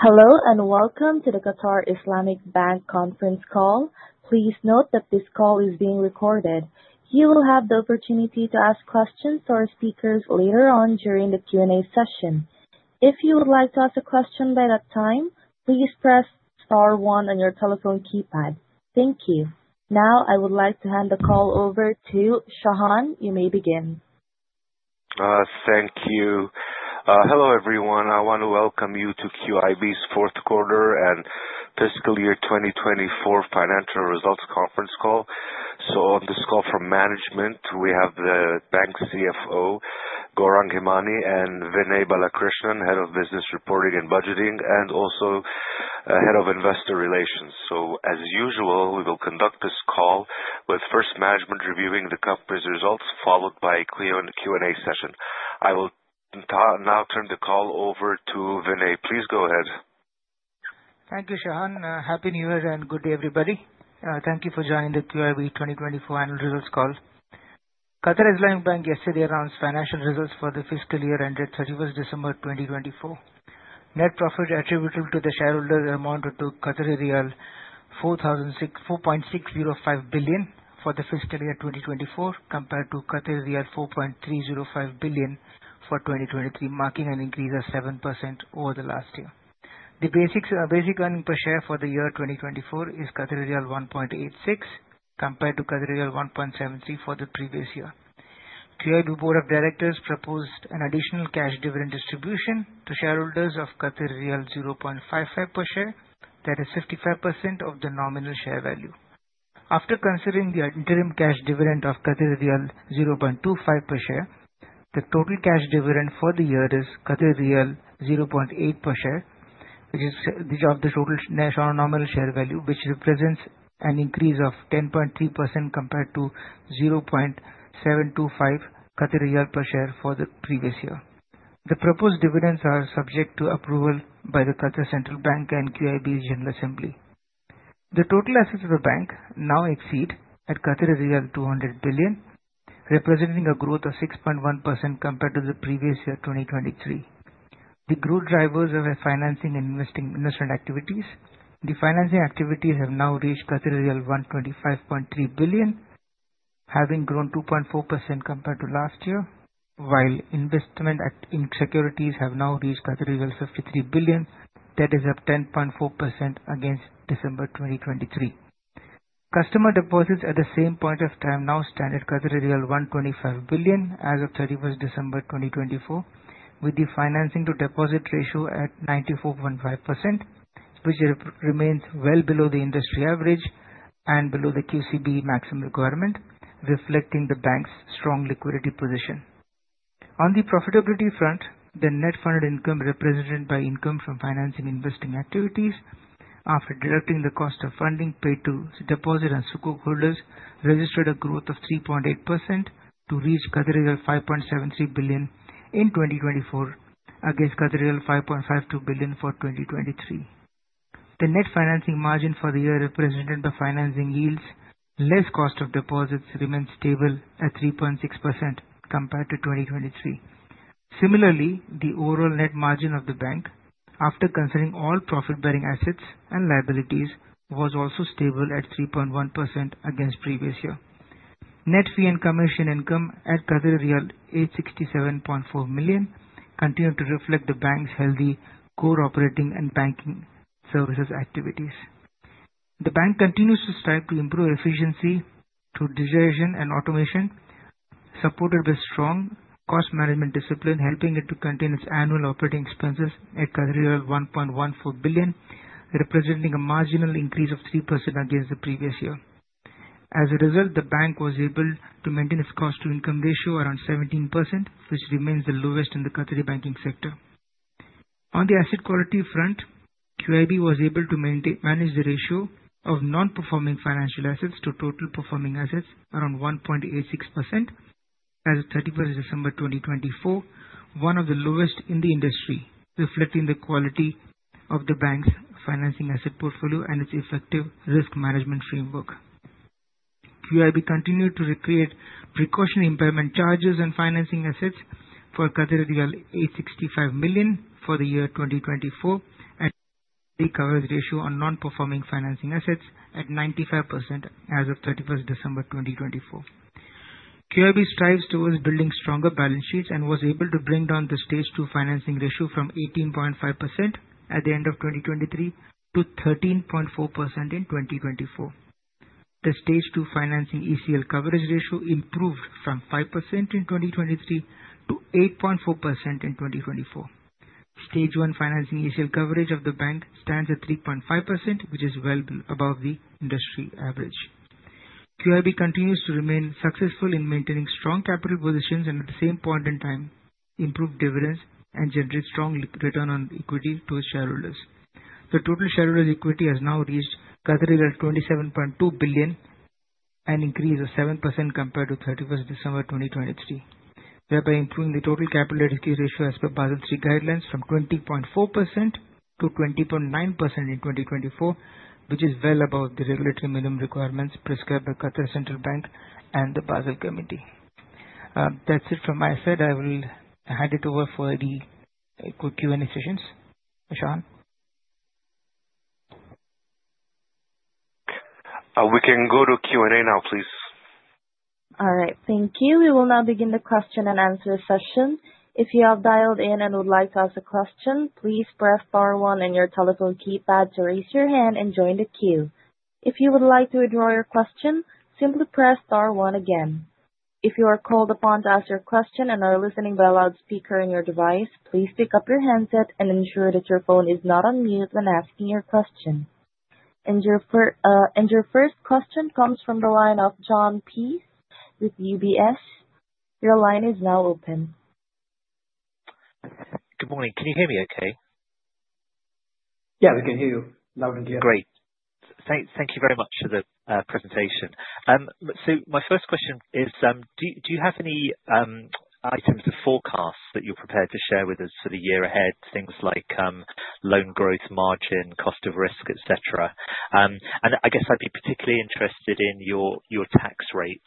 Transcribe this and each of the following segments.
Hello and welcome to the Qatar Islamic Bank Conference Call. Please note that this call is being recorded. You will have the opportunity to ask questions to our speakers later on during the Q&A session. If you would like to ask a question by that time, please press star one on your telephone keypad. Thank you. Now, I would like to hand the call over to Shahan. You may begin. Thank you. Hello everyone. I want to welcome you to QIB's Fourth Quarter and Fiscal Year 2024 Financial Results Conference Call. So on this call from management, we have the bank's CFO, Gaurang Hemani, and Vinay Balakrishnan, Head of Business Reporting and Budgeting, and also head of investor relations. So as usual, we will conduct this call with first management reviewing the company's results, followed by a Q&A session. I will now turn the call over to Vinay. Please go ahead. Thank you, Shahan. Happy New Year and good day, everybody. Thank you for joining the QIB 2024 annual results call. Qatar Islamic Bank yesterday announced financial results for the fiscal year ended 31st December 2024. Net profit attributable to the shareholder amounted to 4.605 billion for the fiscal year 2024, compared to Qatari riyal 4.305 billion for 2023, marking an increase of 7% over the last year. The basic earnings per share for the year 2024 is 1.86, compared to 1.73 for the previous year. QIB Board of Directors proposed an additional cash dividend distribution to shareholders of 0.55 per share, that is 55% of the nominal share value. After considering the interim cash dividend of 0.25 per share, the total cash dividend for the year is 0.8 per share, which is of the total nominal share value, which represents an increase of 10.3% compared to 0.725 QAR per share for the previous year. The proposed dividends are subject to approval by the Qatar Central Bank and QIB's General Assembly. The total assets of the bank now exceed 200 billion, representing a growth of 6.1% compared to the previous year, 2023. The growth drivers of financing and investment activities. The financing activities have now reached 125.3 billion, having grown 2.4% compared to last year, while investment in securities have now reached 53 billion, that is up 10.4% against December 2023. Customer deposits at the same point of time now stand at 125 billion as of 31st December 2024, with the financing to deposit ratio at 94.5%, which remains well below the industry average and below the QCB maximum requirement, reflecting the bank's strong liquidity position. On the profitability front, the net funded income represented by income from financing investing activities, after deducting the cost of funding paid to deposit and sukuk holders, registered a growth of 3.8% to reach 5.73 billion in 2024 against 5.52 billion for 2023. The net financing margin for the year represented by financing yields less cost of deposits remains stable at 3.6% compared to 2023. Similarly, the overall net margin of the bank, after considering all profit-bearing assets and liabilities, was also stable at 3.1% against previous year. Net fee and commission income at 867.4 million riyal continued to reflect the bank's healthy core operating and banking services activities. The bank continues to strive to improve efficiency through digitization and automation, supported by strong cost management discipline, helping it to contain its annual operating expenses at 1.14 billion, representing a marginal increase of 3% against the previous year. As a result, the bank was able to maintain its cost to income ratio around 17%, which remains the lowest in the Qatari banking sector. On the asset quality front, QIB was able to manage the ratio of non-performing financial assets to total performing assets around 1.86% as of 31st December 2024, one of the lowest in the industry, reflecting the quality of the bank's financing asset portfolio and its effective risk management framework. QIB continued to record precautionary impairment charges on financing assets for 865 million for the year 2024, and the coverage ratio on non-performing financing assets at 95% as of 31st December 2024. QIB strives towards building stronger balance sheets and was able to bring down the Stage 2 financing ratio from 18.5% at the end of 2023 to 13.4% in 2024. The Stage 2 financing ECL coverage ratio improved from 5% in 2023 to 8.4% in 2024. Stage 1 financing ECL coverage of the bank stands at 3.5%, which is well above the industry average. QIB continues to remain successful in maintaining strong capital positions and at the same point in time, improve dividends and generate strong return on equity to its shareholders. The total shareholder equity has now reached 27.2 billion, an increase of 7% compared to 31st December 2023, thereby improving the total capital equity ratio as per Basel III guidelines from 20.4% to 20.9% in 2024, which is well above the regulatory minimum requirements prescribed by Qatar Central Bank and the Basel Committee. That's it from my side. I will hand it over for the Q&A sessions. Shahan. We can go to Q&A now, please. All right. Thank you. We will now begin the question and answer session. If you have dialed in and would like to ask a question, please press star one in your telephone keypad to raise your hand and join the queue. If you would like to withdraw your question, simply press star one again. If you are called upon to ask your question and are listening by a loudspeaker in your device, please pick up your handset and ensure that your phone is not on mute when asking your question, and your first question comes from the line of Jon Peace with UBS. Your line is now open. Good morning. Can you hear me okay? Yeah, we can hear you loud and clear. Great. Thank you very much for the presentation. So my first question is, do you have any items of forecast that you're prepared to share with us for the year ahead? Things like loan growth, margin, cost of risk, etc. And I guess I'd be particularly interested in your tax rate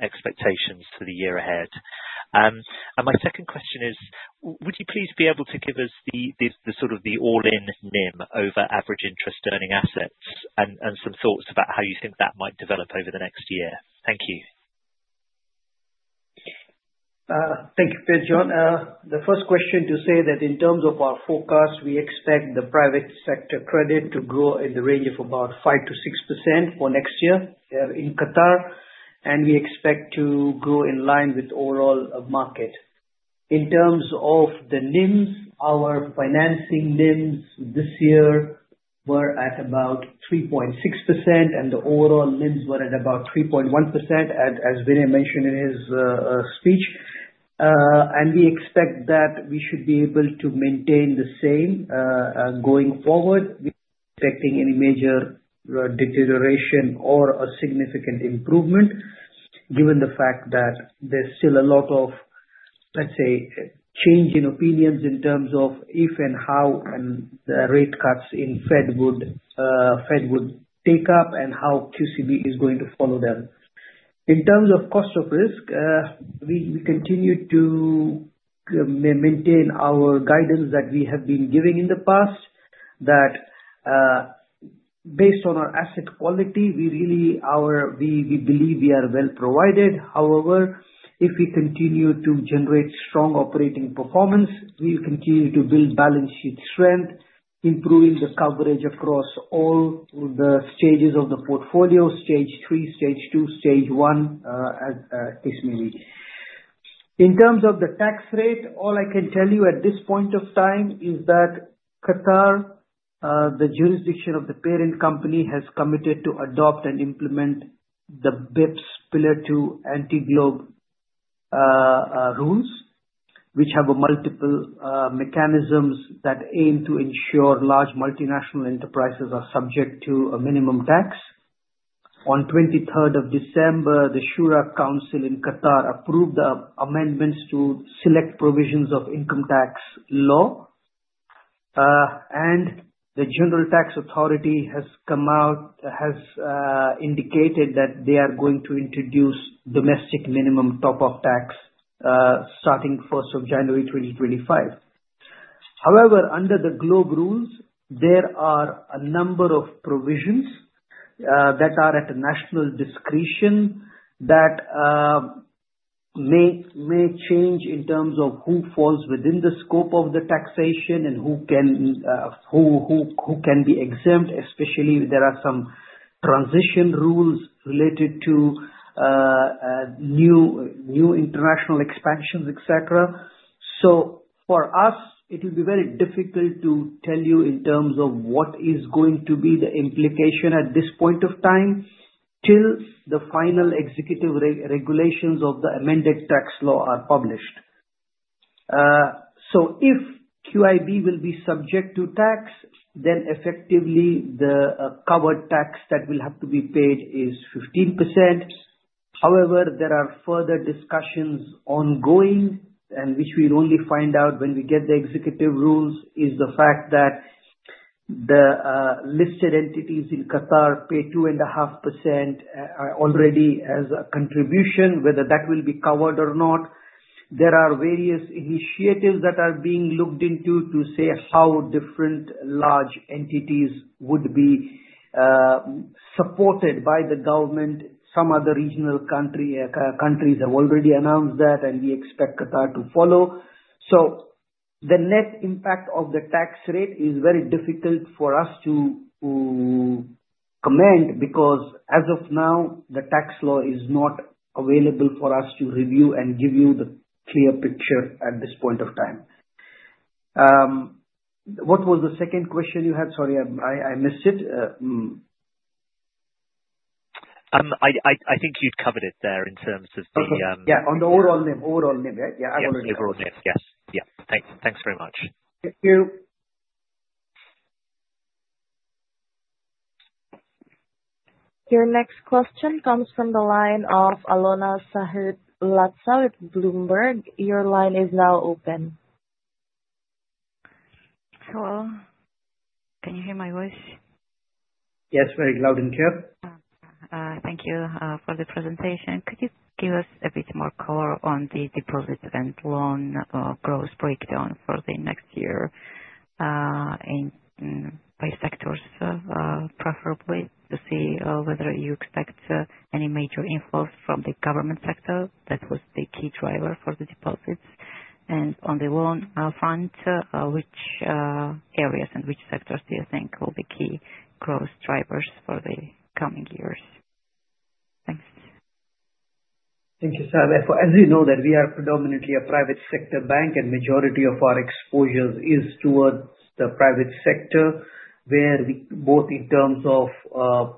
expectations for the year ahead. And my second question is, would you please be able to give us the sort of all-in NIM over average interest earning assets and some thoughts about how you think that might develop over the next year? Thank you. Thank you very much, Jon. The first question to say that in terms of our forecast, we expect the private sector credit to grow in the range of about 5%-6% for next year in Qatar, and we expect to grow in line with overall market. In terms of the NIMs, our financing NIMs this year were at about 3.6%, and the overall NIMs were at about 3.1%, as Vinay mentioned in his speech. We expect that we should be able to maintain the same going forward, expecting any major deterioration or a significant improvement, given the fact that there's still a lot of, let's say, change in opinions in terms of if and how the rate cuts in Fed would take up and how QCB is going to follow them. In terms of cost of risk, we continue to maintain our guidance that we have been giving in the past, that based on our asset quality, we really believe we are well provided. However, if we continue to generate strong operating performance, we'll continue to build balance sheet strength, improving the coverage across all the stages of the portfolio, Stage 3, Stage 2, Stage 1, as the case may be. In terms of the tax rate, all I can tell you at this point of time is that Qatar, the jurisdiction of the parent company, has committed to adopt and implement the BEPS Pillar Two GloBE rules, which have multiple mechanisms that aim to ensure large multinational enterprises are subject to a minimum tax. On 23rd of December, the Shura Council in Qatar approved the amendments to select provisions of income tax law, and the General Tax Authority has indicated that they are going to introduce domestic minimum top-up tax starting 1st of January 2025. However, under the GloBE rules, there are a number of provisions that are at national discretion that may change in terms of who falls within the scope of the taxation and who can be exempt, especially if there are some transition rules related to new international expansions, etc. So for us, it will be very difficult to tell you in terms of what is going to be the implication at this point of time till the final executive regulations of the amended tax law are published. So if QIB will be subject to tax, then effectively the covered tax that will have to be paid is 15%. However, there are further discussions ongoing, and which we'll only find out when we get the executive rules, is the fact that the listed entities in Qatar pay 2.5% already as a contribution, whether that will be covered or not. There are various initiatives that are being looked into to say how different large entities would be supported by the government. Some other regional countries have already announced that, and we expect Qatar to follow. So the net impact of the tax rate is very difficult for us to comment because as of now, the tax law is not available for us to review and give you the clear picture at this point of time. What was the second question you had? Sorry, I missed it. I think you'd covered it there in terms of the. Yeah, on the overall NIM. Overall NIM, yeah. Yeah, I've already got it. Overall NIM, yes. Yeah. Thanks very much. Thank you. Your next question comes from the line of Alona Sahid Latsa with Bloomberg. Your line is now open. Hello. Can you hear my voice? Yes, very loud and clear. Thank you for the presentation. Could you give us a bit more color on the deposit and loan growth breakdown for the next year by sectors, preferably to see whether you expect any major inflows from the government sector that was the key driver for the deposits, and on the loan front, which areas and which sectors do you think will be key growth drivers for the coming years? Thanks. Thank you, Shahan. As you know, we are predominantly a private sector bank, and the majority of our exposures is towards the private sector, both in terms of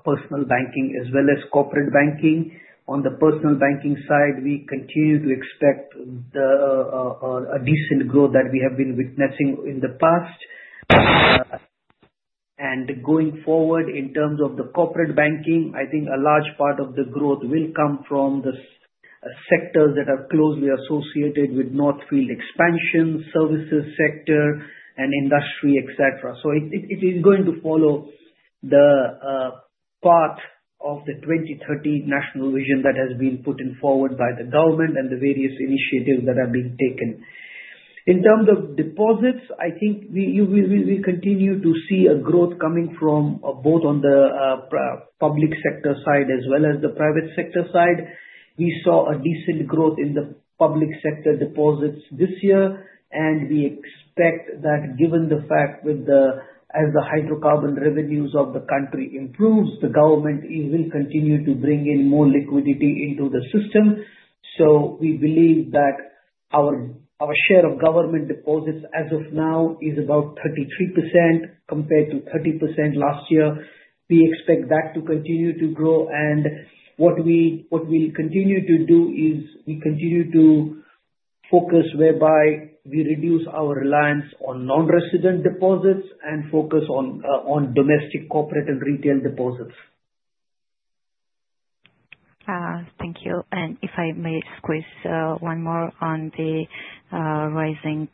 personal banking as well as corporate banking. On the personal banking side, we continue to expect a decent growth that we have been witnessing in the past, and going forward, in terms of the corporate banking, I think a large part of the growth will come from the sectors that are closely associated with North Field Expansion, services sector, and industry, etc. It is going to follow the path of the Qatar National Vision 2030 that has been put forward by the government and the various initiatives that are being taken. In terms of deposits, I think we will continue to see a growth coming from both on the public sector side as well as the private sector side. We saw a decent growth in the public sector deposits this year, and we expect that given the fact that as the hydrocarbon revenues of the country improve, the government will continue to bring in more liquidity into the system, so we believe that our share of government deposits as of now is about 33% compared to 30% last year. We expect that to continue to grow, and what we'll continue to do is we continue to focus, whereby we reduce our reliance on non-resident deposits and focus on domestic corporate and retail deposits. Thank you. And if I may squeeze one more on the rising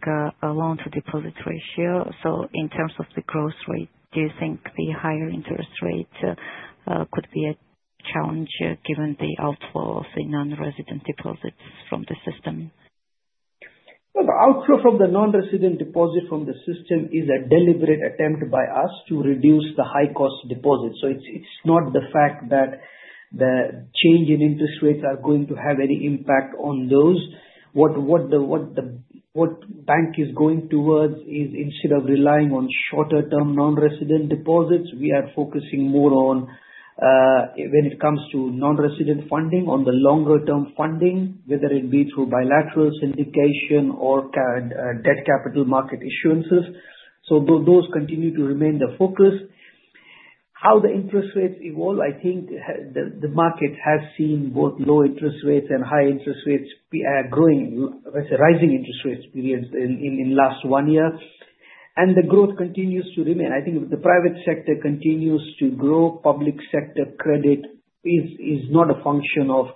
loan-to-deposit ratio. So in terms of the growth rate, do you think the higher interest rate could be a challenge given the outflow of the non-resident deposits from the system? The outflow from the non-resident deposit from the system is a deliberate attempt by us to reduce the high-cost deposits. So it's not the fact that the change in interest rates are going to have any impact on those. What the bank is going towards is, instead of relying on shorter-term non-resident deposits, we are focusing more on, when it comes to non-resident funding, on the longer-term funding, whether it be through bilateral syndication or Debt Capital Markets issuances. So those continue to remain the focus. How the interest rates evolve, I think the market has seen both low interest rates and high interest rates growing, rising interest rates periods in the last one year, and the growth continues to remain. I think the private sector continues to grow. Public sector credit is not a function of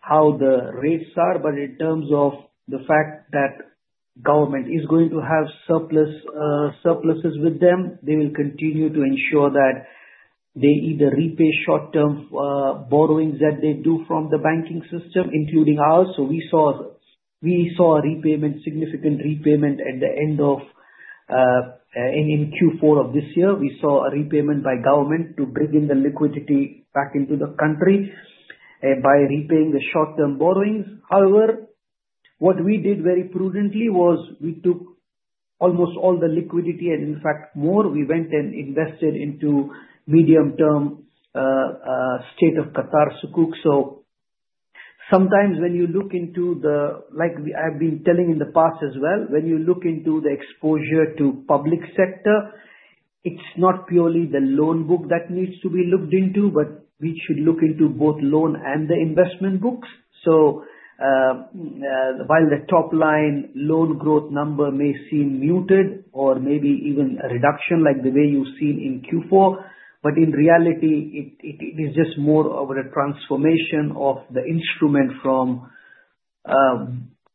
how the rates are, but in terms of the fact that government is going to have surpluses with them. They will continue to ensure that they either repay short-term borrowings that they do from the banking system, including ours. So we saw a repayment, significant repayment at the end of Q4 of this year. We saw a repayment by government to bring in the liquidity back into the country by repaying the short-term borrowings. However, what we did very prudently was we took almost all the liquidity and, in fact, more. We went and invested into medium-term State of Qatar Sukuk. So sometimes when you look into the, like I've been telling in the past as well, when you look into the exposure to public sector, it's not purely the loan book that needs to be looked into, but we should look into both loan and the investment books. So while the top-line loan growth number may seem muted or maybe even a reduction like the way you've seen in Q4, but in reality, it is just more of a transformation of the instrument from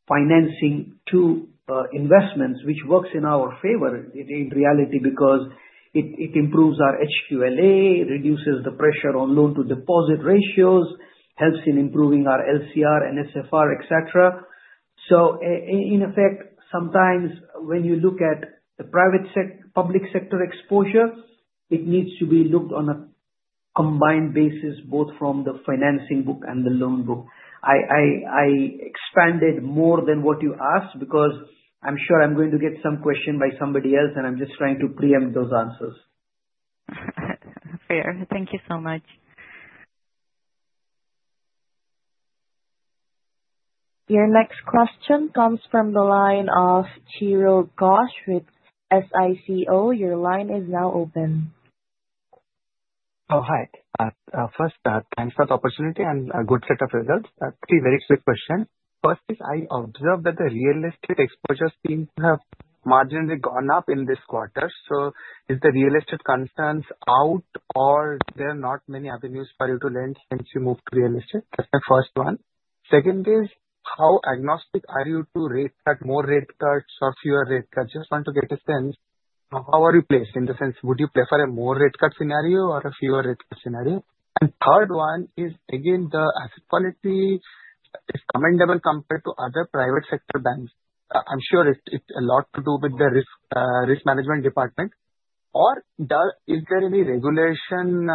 financing to investments, which works in our favor in reality because it improves our HQLA, reduces the pressure on loan-to-deposit ratios, helps in improving our LCR and NSFR, etc. So in effect, sometimes when you look at the public sector exposure, it needs to be looked on a combined basis, both from the financing book and the loan book. I expanded more than what you asked because I'm sure I'm going to get some question by somebody else, and I'm just trying to preempt those answers. Fair. Thank you so much. Your next question comes from the line of Chiradeep Ghosh with SICO. Your line is now open. Oh, hi. First, thanks for the opportunity and a good set of results. Actually, very quick question. First is I observed that the real estate exposures seem to have marginally gone up in this quarter. So is the real estate concerns out, or there are not many avenues for you to lend since you moved to real estate? That's my first one. Second is how agnostic are you to rate cut, more rate cuts or fewer rate cuts? Just want to get a sense. How are you placed in the sense would you prefer a more rate cut scenario or a fewer rate cut scenario? And third one is, again, the asset quality is commendable compared to other private sector banks. I'm sure it's a lot to do with the risk management department. Or is there any regulation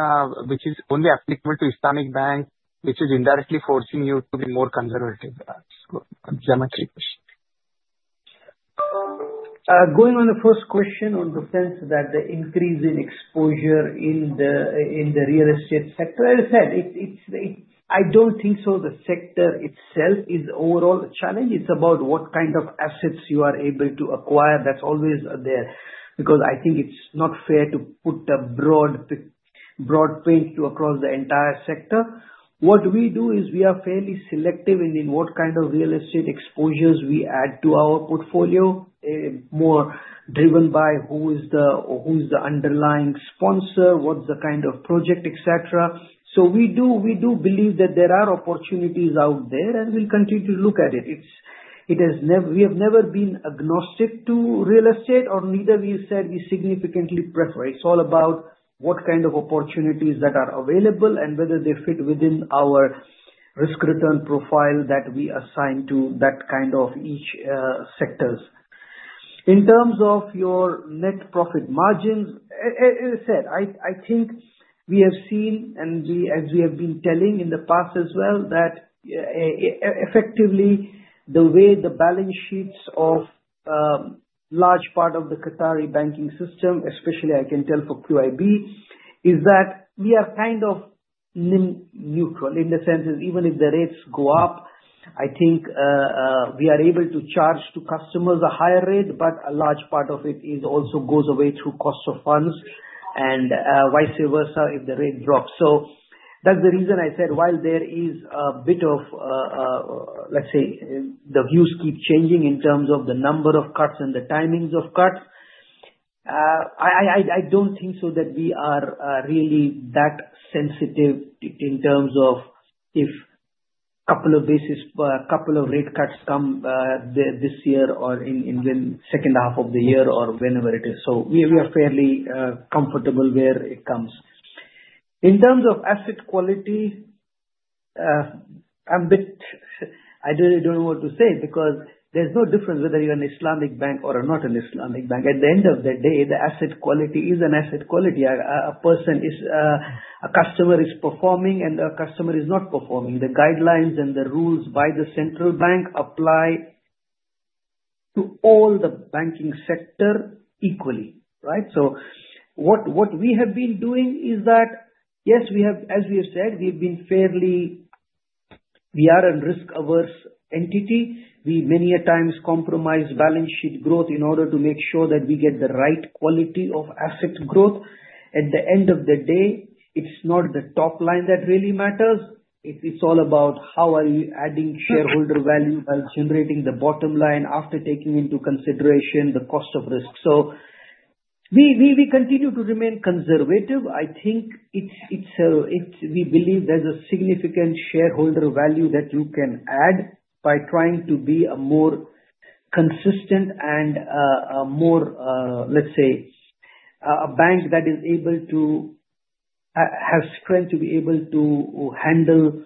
which is only applicable to Islamic banks, which is indirectly forcing you to be more conservative? That's my question. Going on the first question on the sense that the increase in exposure in the real estate sector, as I said, I don't think so the sector itself is overall a challenge. It's about what kind of assets you are able to acquire that's always there because I think it's not fair to put a broad brush across the entire sector. What we do is we are fairly selective in what kind of real estate exposures we add to our portfolio, more driven by who is the underlying sponsor, what's the kind of project, etc. So we do believe that there are opportunities out there, and we'll continue to look at it. We have never been agnostic to real estate, or neither we said we significantly prefer. It's all about what kind of opportunities that are available and whether they fit within our risk-return profile that we assign to that kind of each sectors. In terms of your net profit margins, as I said, I think we have seen, and as we have been telling in the past as well, that effectively the way the balance sheets of a large part of the Qatari banking system, especially I can tell for QIB, is that we are kind of neutral in the sense that even if the rates go up, I think we are able to charge to customers a higher rate, but a large part of it also goes away through costs of funds and vice versa if the rate drops. So that's the reason I said while there is a bit of, let's say, the views keep changing in terms of the number of cuts and the timings of cuts. I don't think so that we are really that sensitive in terms of if a couple of basis, a couple of rate cuts come this year or in the second half of the year or whenever it is. So we are fairly comfortable where it comes. In terms of asset quality, I don't know what to say because there's no difference whether you're an Islamic bank or not an Islamic bank. At the end of the day, the asset quality is an asset quality. A customer is performing, and a customer is not performing. The guidelines and the rules by the central bank apply to all the banking sector equally, right? So what we have been doing is that, yes, as we have said, we are a risk-averse entity. We many times compromise balance sheet growth in order to make sure that we get the right quality of asset growth. At the end of the day, it's not the top line that really matters. It's all about how are you adding shareholder value while generating the bottom line after taking into consideration the cost of risk. So we continue to remain conservative. I think we believe there's a significant shareholder value that you can add by trying to be a more consistent and a more, let's say, a bank that is able to have strength to be able to handle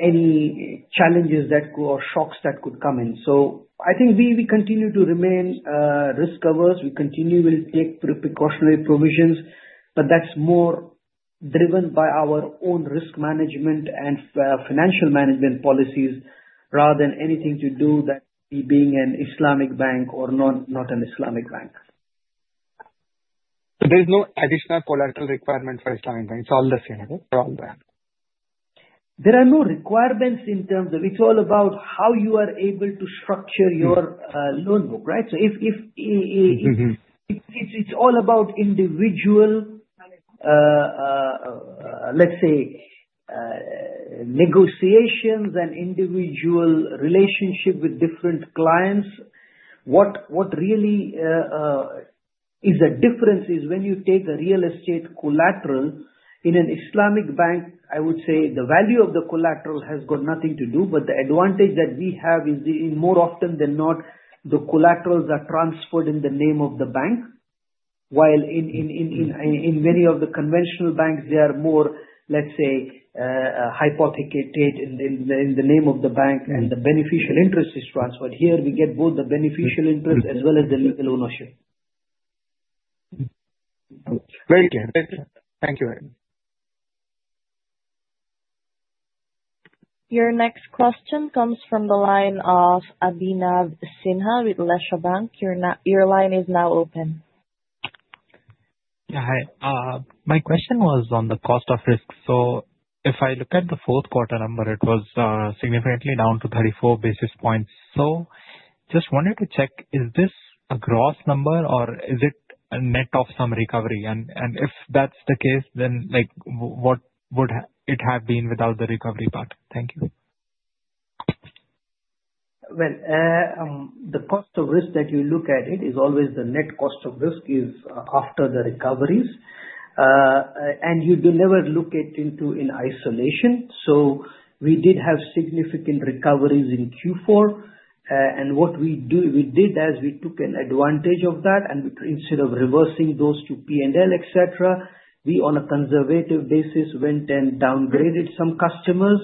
any challenges or shocks that could come in. So I think we continue to remain risk-averse. We continue to take precautionary provisions, but that's more driven by our own risk management and financial management policies rather than anything to do with being an Islamic bank or not an Islamic bank. So there is no additional collateral requirement for Islamic banks. It's all the same, right, for all banks? There are no requirements in terms of it's all about how you are able to structure your loan book, right? So it's all about individual, let's say, negotiations and individual relationship with different clients. What really is a difference is when you take a real estate collateral in an Islamic bank, I would say the value of the collateral has got nothing to do, but the advantage that we have is more often than not, the collaterals are transferred in the name of the bank. While in many of the conventional banks, they are more, let's say, hypothecated in the name of the bank, and the beneficial interest is transferred. Here, we get both the beneficial interest as well as the legal ownership. Very clear. Thank you very much. Your next question comes from the line of Abhinav Sinha with Lesha Bank. Your line is now open. Yeah. Hi. My question was on the cost of risk. So if I look at the fourth quarter number, it was significantly down to 34 basis points. So just wanted to check, is this a gross number, or is it a net of some recovery? And if that's the case, then what would it have been without the recovery part? Thank you. The cost of risk that you look at, it is always the net cost of risk is after the recoveries. And you do never look at it in isolation. So we did have significant recoveries in Q4. And what we did as we took advantage of that, and instead of reversing those to P&L, etc., we on a conservative basis went and downgraded some customers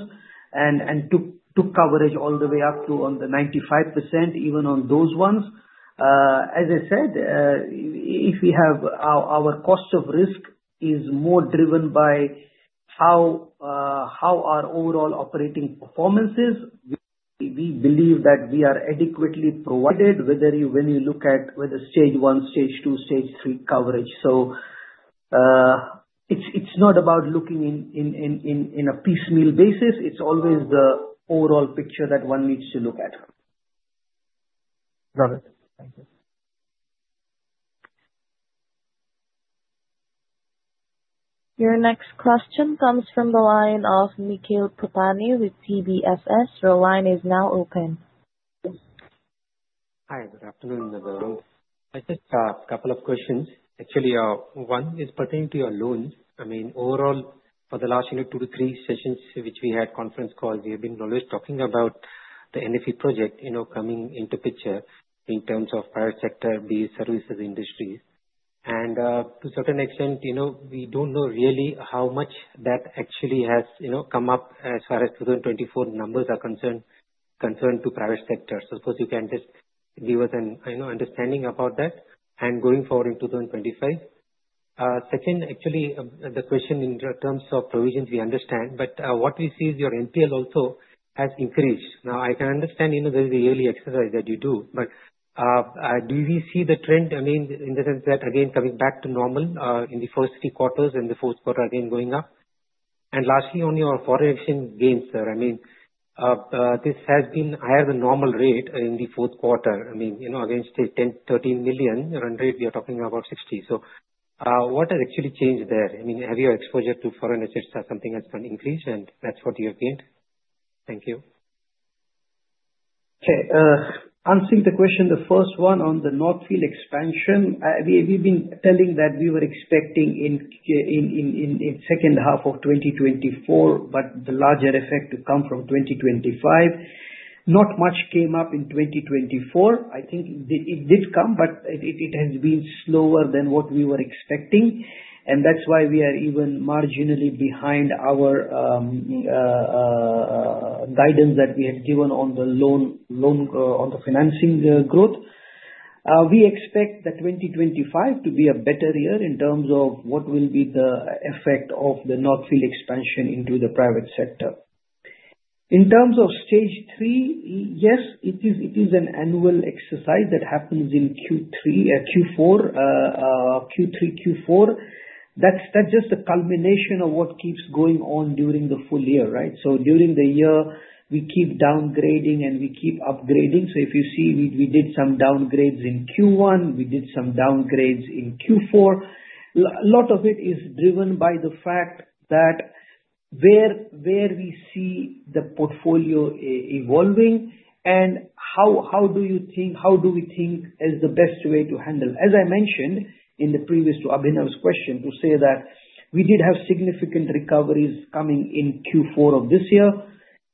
and took coverage all the way up to 95%, even on those ones. As I said, if we have our cost of risk is more driven by how our overall operating performance is. We believe that we are adequately provided when you look at Stage 1, Stage 2, Stage 3 coverage. So it's not about looking in a piecemeal basis. It's always the overall picture that one needs to look at. Got it. Thank you. Your next question comes from the line of Nikhil Pothani with CBFS. Your line is now open. Hi. Good afternoon, everyone. I just have a couple of questions. Actually, one is pertaining to your loans. I mean, overall, for the last two to three sessions which we had conference calls, we have been always talking about the NFE project coming into picture in terms of private sector, these services industries. And to a certain extent, we don't know really how much that actually has come up as far as 2024 numbers are concerned to private sector. So of course, you can just give us an understanding about that and going forward in 2025. Second, actually, the question in terms of provisions, we understand, but what we see is your NPL also has increased. Now, I can understand there is a yearly exercise that you do, but do we see the trend, I mean, in the sense that, again, coming back to normal in the first three quarters and the fourth quarter again going up? And lastly, on your foreign exchange gains, sir, I mean, this has been higher than normal rate in the fourth quarter. I mean, against 10-13 million, your run rate, we are talking about 60. So what has actually changed there? I mean, have your exposure to foreign assets or something else increased, and that's what you have gained? Thank you. Okay. Answering the question, the first one on the North Field Expansion, we've been telling that we were expecting in the second half of 2024, but the larger effect to come from 2025. Not much came up in 2024. I think it did come, but it has been slower than what we were expecting. And that's why we are even marginally behind our guidance that we had given on the loan, on the financing growth. We expect that 2025 to be a better year in terms of what will be the effect of the North Field Expansion into the private sector. In terms of Stage 3, yes, it is an annual exercise that happens in Q4, Q3, Q4. That's just the culmination of what keeps going on during the full year, right? So during the year, we keep downgrading and we keep upgrading. So if you see, we did some downgrades in Q1. We did some downgrades in Q4. A lot of it is driven by the fact that where we see the portfolio evolving and how do you think, how do we think is the best way to handle? As I mentioned in the previous to Abhinav's question, to say that we did have significant recoveries coming in Q4 of this year.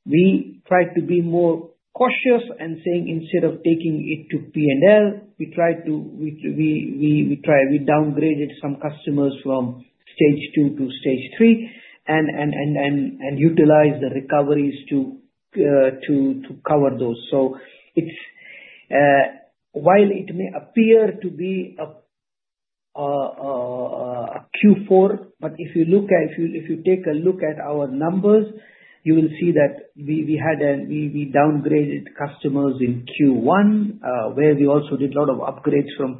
We tried to be more cautious and saying instead of taking it to P&L, we tried to, we downgraded some customers from Stage 2 to Stage 3 and utilized the recoveries to cover those. So while it may appear to be a Q4, but if you look at, if you take a look at our numbers, you will see that we downgraded customers in Q1, where we also did a lot of upgrades from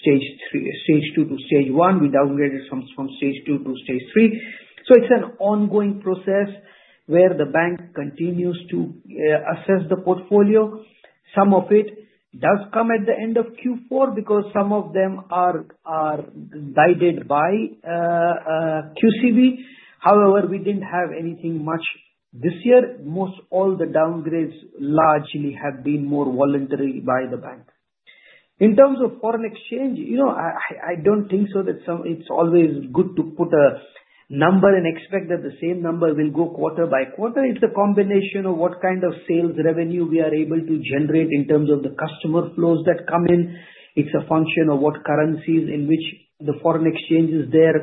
Stage 2 to Stage 1. We downgraded from Stage 2 to Stage 3, so it's an ongoing process where the bank continues to assess the portfolio. Some of it does come at the end of Q4 because some of them are guided by QCB. However, we didn't have anything much this year. Most all the downgrades largely have been more voluntary by the bank. In terms of foreign exchange, I don't think so that it's always good to put a number and expect that the same number will go quarter by quarter. It's a combination of what kind of sales revenue we are able to generate in terms of the customer flows that come in. It's a function of what currencies in which the foreign exchange is there.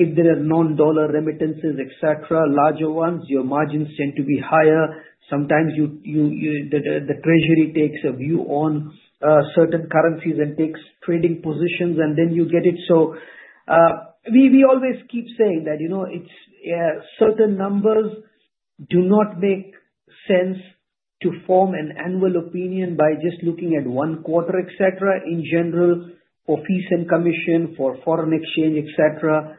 If there are non-dollar remittances, etc., larger ones, your margins tend to be higher. Sometimes the treasury takes a view on certain currencies and takes trading positions, and then you get it. So we always keep saying that certain numbers do not make sense to form an annual opinion by just looking at one quarter, etc. In general, for fees and commissions, for foreign exchange, etc.,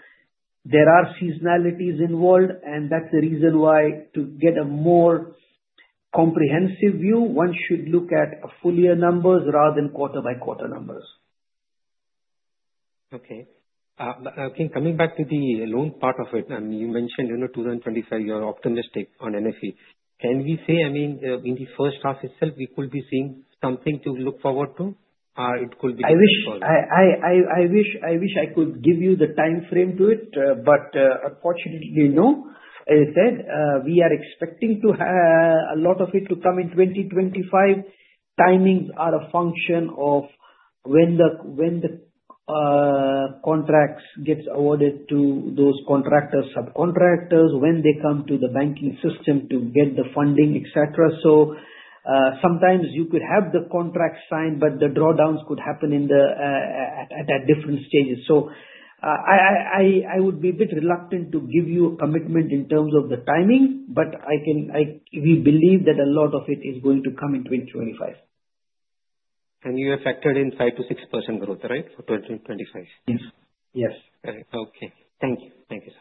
there are seasonalities involved, and that's the reason why to get a more comprehensive view, one should look at full-year numbers rather than quarter-by-quarter numbers. Okay. Coming back to the loan part of it, I mean, you mentioned 2025, you're optimistic on NFE. Can we say, I mean, in the first half itself, we could be seeing something to look forward to? It could be possible. I wish I could give you the time frame to it, but unfortunately, no. As I said, we are expecting a lot of it to come in 2025. Timings are a function of when the contracts get awarded to those contractors, subcontractors, when they come to the banking system to get the funding, etc. So sometimes you could have the contract signed, but the drawdowns could happen at different stages. So I would be a bit reluctant to give you a commitment in terms of the timing, but we believe that a lot of it is going to come in 2025. You are factored in 5%-6% growth, right, for 2025? Yes. Yes. Okay. Thank you. Thank you, sir.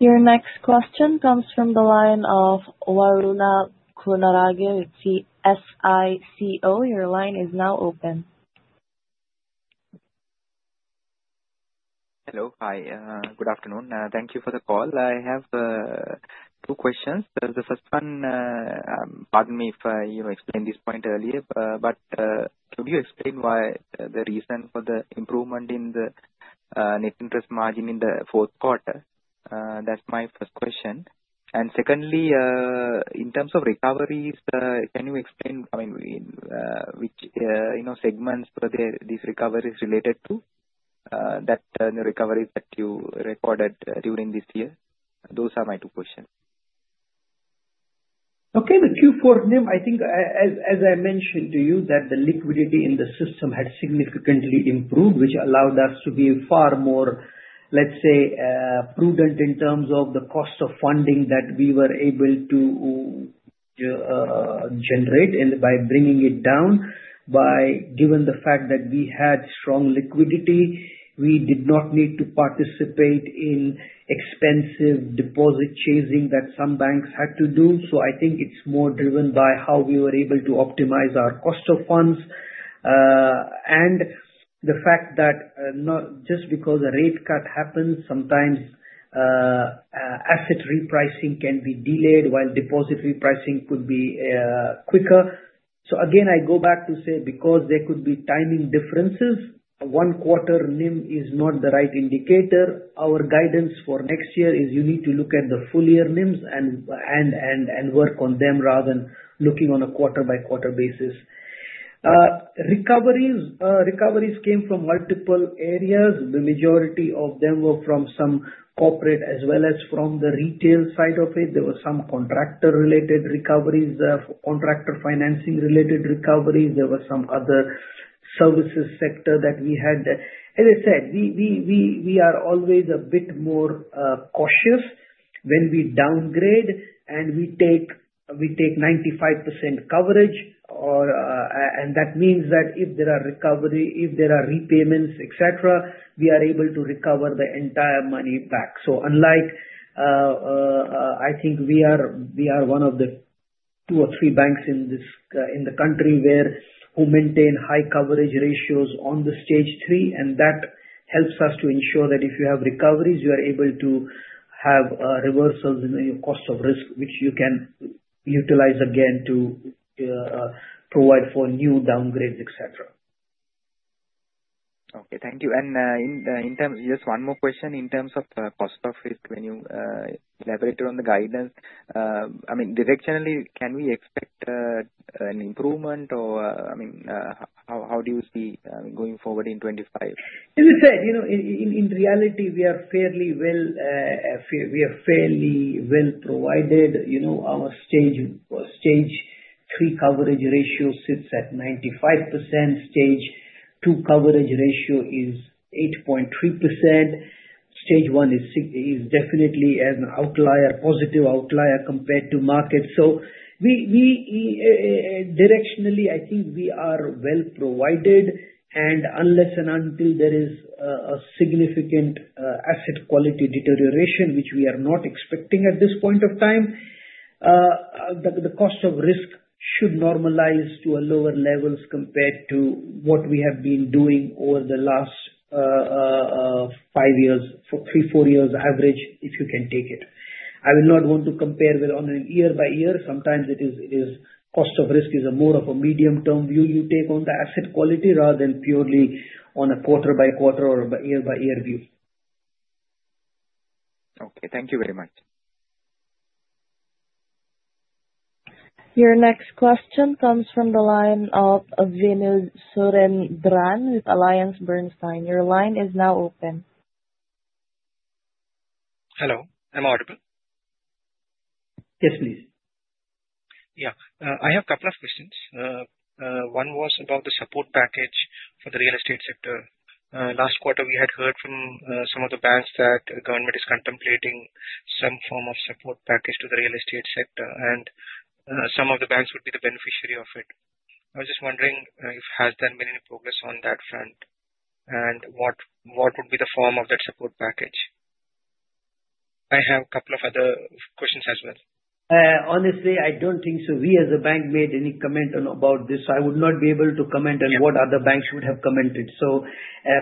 Your next question comes from the line of Waruna Kumarage. It's SICO. Your line is now open. Hello. Hi. Good afternoon. Thank you for the call. I have two questions. The first one, pardon me if I explained this point earlier, but could you explain why the reason for the improvement in the net interest margin in the fourth quarter? That's my first question. And secondly, in terms of recoveries, can you explain, I mean, which segments were these recoveries related to, that recoveries that you recorded during this year? Those are my two questions. Okay. The Q4, I think, as I mentioned to you, that the liquidity in the system had significantly improved, which allowed us to be far more, let's say, prudent in terms of the cost of funding that we were able to generate by bringing it down. Given the fact that we had strong liquidity, we did not need to participate in expensive deposit chasing that some banks had to do. So I think it's more driven by how we were able to optimize our cost of funds. And the fact that just because a rate cut happens, sometimes asset repricing can be delayed while deposit repricing could be quicker. So again, I go back to say, because there could be timing differences, one quarter NIM is not the right indicator. Our guidance for next year is you need to look at the full year NIMs and work on them rather than looking on a quarter by quarter basis. Recoveries came from multiple areas. The majority of them were from some corporate as well as from the retail side of it. There were some contractor-related recoveries, contractor financing-related recoveries. There were some other services sector that we had. As I said, we are always a bit more cautious when we downgrade and we take 95% coverage, and that means that if there are recovery, if there are repayments, etc., we are able to recover the entire money back, so unlike, I think we are one of the two or three banks in the country who maintain high coverage ratios on the Stage 3. That helps us to ensure that if you have recoveries, you are able to have reversals in your cost of risk, which you can utilize again to provide for new downgrades, etc. Okay. Thank you, and just one more question. In terms of cost of risk, when you elaborated on the guidance, I mean, directionally, can we expect an improvement, or I mean, how do you see going forward in 2025? As I said, in reality, we are fairly well provided. Our Stage 3 coverage ratio sits at 95%. Stage 2 coverage ratio is 8.3%. Stage 1 is definitely an outlier, positive outlier compared to market. So directionally, I think we are well provided. And unless and until there is a significant asset quality deterioration, which we are not expecting at this point of time, the cost of risk should normalize to lower levels compared to what we have been doing over the last five years, three, four years average, if you can take it. I will not want to compare on a year-by-year. Sometimes it is cost of risk more of a medium-term view you take on the asset quality rather than purely on a quarter-by-quarter or year-by-year view. Okay. Thank you very much. Your next question comes from the line of Vimal Surendran with AllianceBernstein. Your line is now open. Hello. Am I audible? Yes, please. Yeah. I have a couple of questions. One was about the support package for the real estate sector. Last quarter, we had heard from some of the banks that the government is contemplating some form of support package to the real estate sector, and some of the banks would be the beneficiary of it. I was just wondering if there has been any progress on that front and what would be the form of that support package. I have a couple of other questions as well. Honestly, I don't think so. We as a bank made any comment about this. So I would not be able to comment on what other banks would have commented. So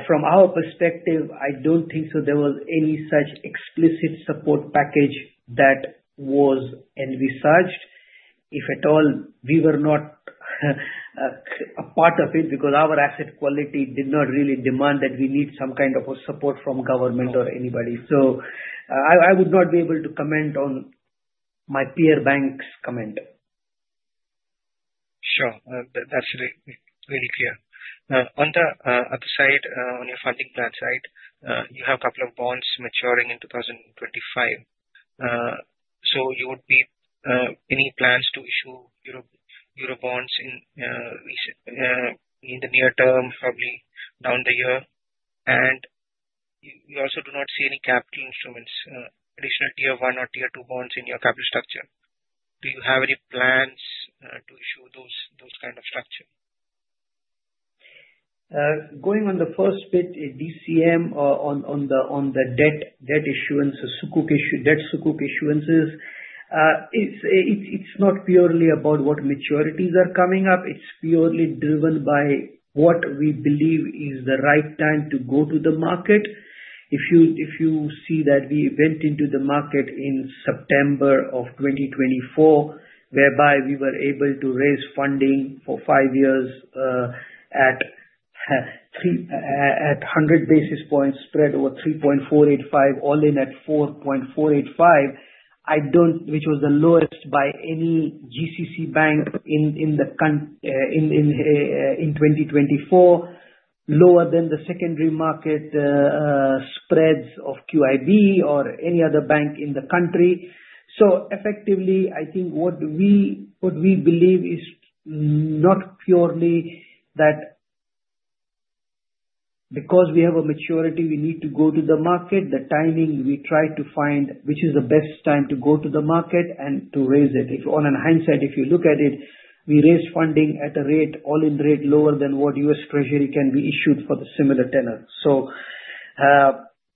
from our perspective, I don't think so there was any such explicit support package that was and we surged. If at all, we were not a part of it because our asset quality did not really demand that we need some kind of support from government or anybody. So I would not be able to comment on my peer banks' comment. Sure. That's really clear. On the other side, on your funding plan side, you have a couple of bonds maturing in 2025. So you would need any plans to issue Eurobonds in the near term, probably down the year. And you also do not see any capital instruments, Additional Tier 1 or Tier 2 bonds in your capital structure. Do you have any plans to issue those kind of structure? Going on the first bit, DCM on the debt issuance, debt sukuk issuances. It's not purely about what maturities are coming up. It's purely driven by what we believe is the right time to go to the market. If you see that we went into the market in September of 2024, whereby we were able to raise funding for five years at 100 basis points spread over 3.485, all in at 4.485, which was the lowest by any GCC bank in 2024, lower than the secondary market spreads of QIB or any other bank in the country. So effectively, I think what we believe is not purely that because we have a maturity, we need to go to the market. The timing we try to find which is the best time to go to the market and to raise it. In hindsight, if you look at it, we raised funding at a rate, all in rate, lower than what U.S. Treasury can be issued for the similar tenor. So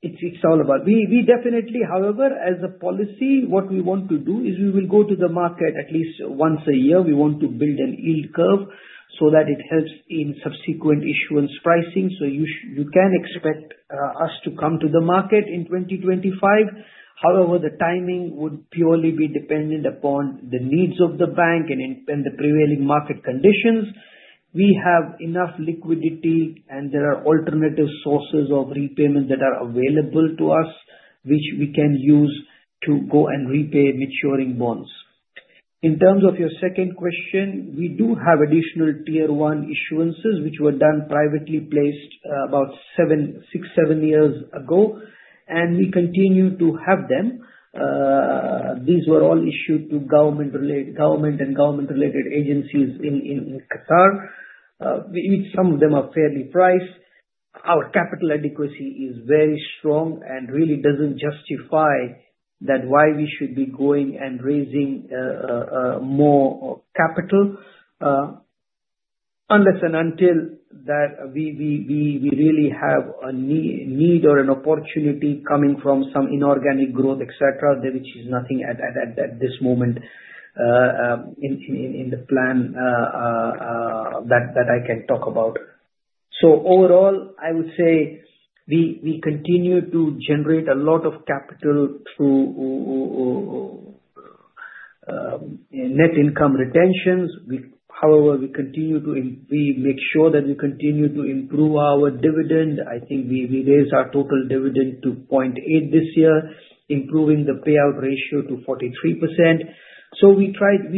it's all about we definitely, however, as a policy, what we want to do is we will go to the market at least once a year. We want to build a yield curve so that it helps in subsequent issuance pricing. So you can expect us to come to the market in 2025. However, the timing would purely be dependent upon the needs of the bank and the prevailing market conditions. We have enough liquidity, and there are alternative sources of repayment that are available to us, which we can use to go and repay maturing bonds. In terms of your second question, we do have Additional Tier 1 issuances, which were done privately placed about six, seven years ago, and we continue to have them. These were all issued to government and government-related agencies in Qatar. Some of them are fairly priced. Our capital adequacy is very strong and really doesn't justify that why we should be going and raising more capital, unless and until that we really have a need or an opportunity coming from some inorganic growth, etc., which is nothing at this moment in the plan that I can talk about. So overall, I would say we continue to generate a lot of capital through net income retentions. However, we continue to make sure that we continue to improve our dividend. I think we raised our total dividend to 0.8 this year, improving the payout ratio to 43%. So we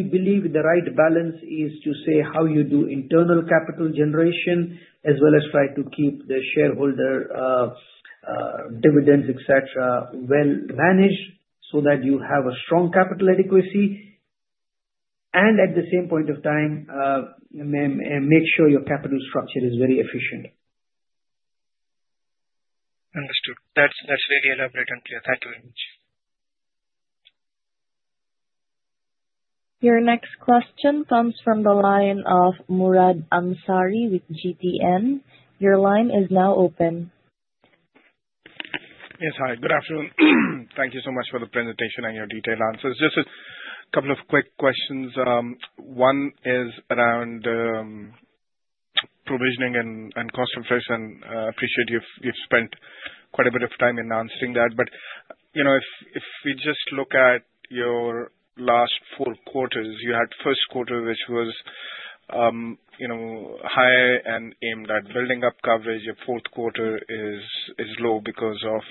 believe the right balance is to say how you do internal capital generation as well as try to keep the shareholder dividends, etc., well managed so that you have a strong capital adequacy. And at the same point of time, make sure your capital structure is very efficient. Understood. That's very elaborate and clear. Thank you very much. Your next question comes from the line of Murad Ansari with GTN. Your line is now open. Yes. Hi. Good afternoon. Thank you so much for the presentation and your detailed answers. Just a couple of quick questions. One is around provisioning and cost inflation. Appreciate you've spent quite a bit of time in answering that. But if we just look at your last four quarters, you had first quarter, which was higher and aimed at building up coverage. Your fourth quarter is low because of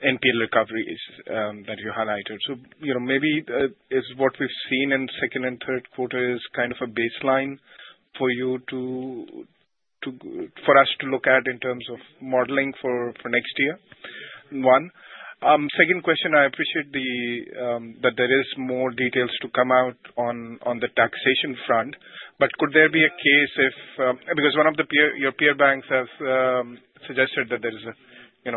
NPL recovery that you highlighted. So maybe it's what we've seen in second and third quarter is kind of a baseline for us to look at in terms of modeling for next year, one. Second question, I appreciate that there are more details to come out on the taxation front, but could there be a case if because one of your peer banks has suggested that there is a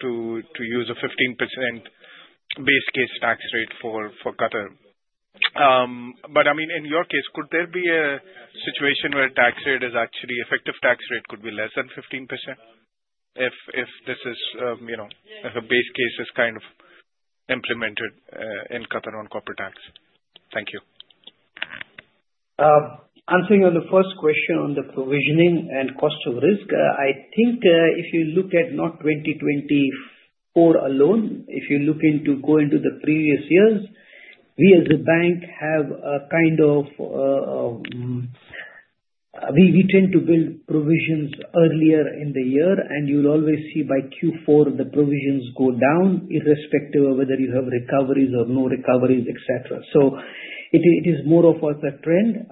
to use a 15% base case tax rate for Qatar. But I mean, in your case, could there be a situation where tax rate is actually effective tax rate could be less than 15% if this is a base case is kind of implemented in Qatar on corporate tax? Thank you. Answering on the first question on the provisioning and cost of risk, I think if you look at not 2024 alone, if you look into going to the previous years, we as a bank have a kind of we tend to build provisions earlier in the year, and you'll always see by Q4 the provisions go down, irrespective of whether you have recoveries or no recoveries, etc. So it is more of a trend.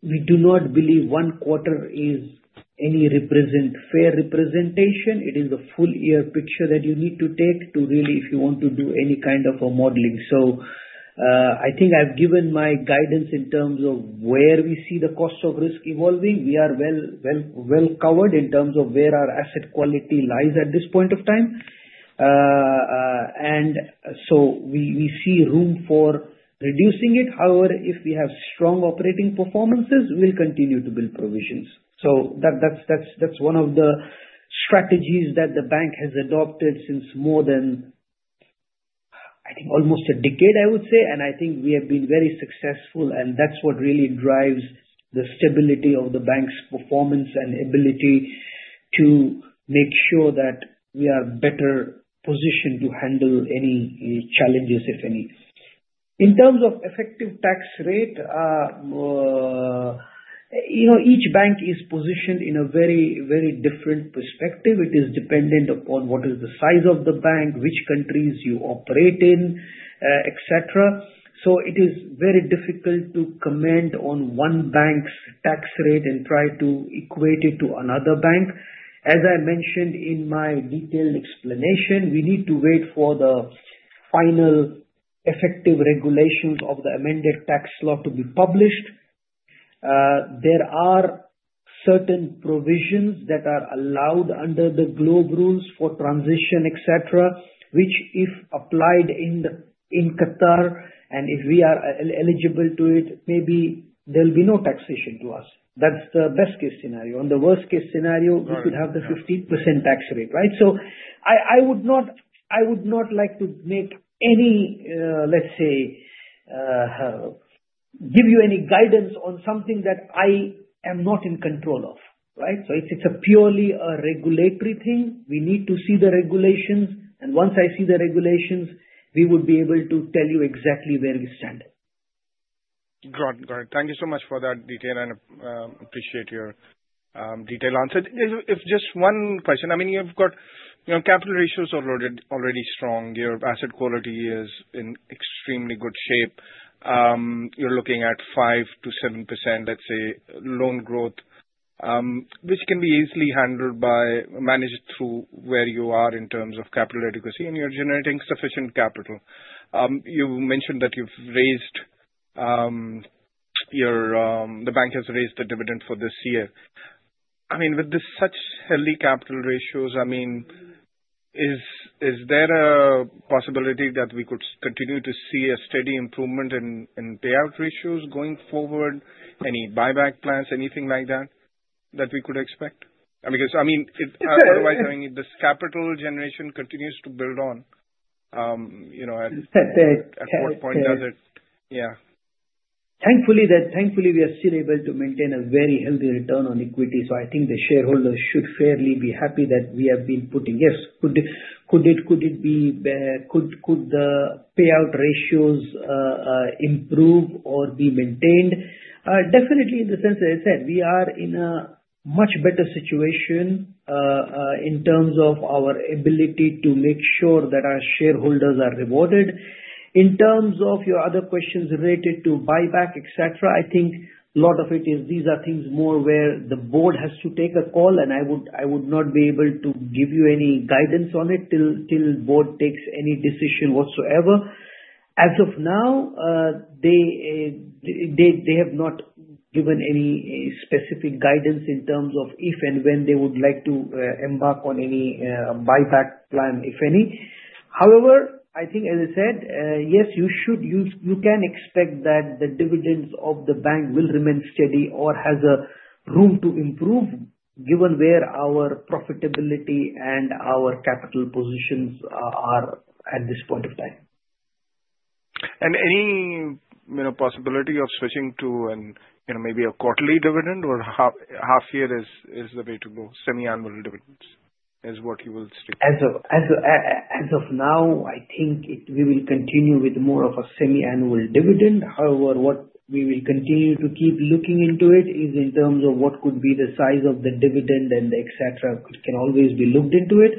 We do not believe one quarter is any fair representation. It is a full-year picture that you need to take to really, if you want to do any kind of a modeling. So I think I've given my guidance in terms of where we see the cost of risk evolving. We are well covered in terms of where our asset quality lies at this point of time. And so we see room for reducing it. However, if we have strong operating performances, we'll continue to build provisions. So that's one of the strategies that the bank has adopted since more than, I think, almost a decade, I would say. And I think we have been very successful, and that's what really drives the stability of the bank's performance and ability to make sure that we are better positioned to handle any challenges, if any. In terms of effective tax rate, each bank is positioned in a very, very different perspective. It is dependent upon what is the size of the bank, which countries you operate in, etc. So it is very difficult to comment on one bank's tax rate and try to equate it to another bank. As I mentioned in my detailed explanation, we need to wait for the final effective regulations of the amended tax law to be published. There are certain provisions that are allowed under the GloBE Rules for transition, etc., which, if applied in Qatar and if we are eligible to it, maybe there'll be no taxation to us. That's the best-case scenario. On the worst-case scenario, we could have the 15% tax rate, right? So I would not like to make, let's say, give you any guidance on something that I am not in control of, right? So it's purely a regulatory thing. We need to see the regulations. And once I see the regulations, we would be able to tell you exactly where we stand. Got it. Got it. Thank you so much for that detail. I appreciate your detailed answer. Just one question. I mean, you've got capital ratios already strong. Your asset quality is in extremely good shape. You're looking at 5%-7%, let's say, loan growth, which can be easily managed through where you are in terms of capital adequacy, and you're generating sufficient capital. You mentioned that the bank has raised the dividend for this year. I mean, with such healthy capital ratios, I mean, is there a possibility that we could continue to see a steady improvement in payout ratios going forward? Any buyback plans, anything like that that we could expect? Because, I mean, otherwise, I mean, this capital generation continues to build on. At what point does it? Yeah. Thankfully, we are still able to maintain a very healthy return on equity. So I think the shareholders should fairly be happy that we have been putting yes. Could it be? Could the payout ratios improve or be maintained? Definitely, in the sense that I said, we are in a much better situation in terms of our ability to make sure that our shareholders are rewarded. In terms of your other questions related to buyback, etc., I think a lot of it is these are things more where the board has to take a call, and I would not be able to give you any guidance on it till the board takes any decision whatsoever. As of now, they have not given any specific guidance in terms of if and when they would like to embark on any buyback plan, if any. However, I think, as I said, yes, you can expect that the dividends of the bank will remain steady or have room to improve given where our profitability and our capital positions are at this point of time. Any possibility of switching to maybe a quarterly dividend or half-year is the way to go? Semi-annual dividends is what you will. As of now, I think we will continue with more of a semi-annual dividend. However, what we will continue to keep looking into it is in terms of what could be the size of the dividend and etc. It can always be looked into it.